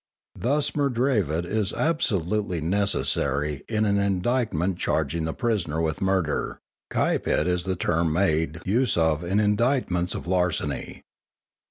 Thus_ Murdravit is absolutely necessary in an indictment charging the prisoner with a murder; Caepit _is the term made use of in indictments of larceny.